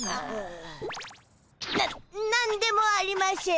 な何でもありましぇん。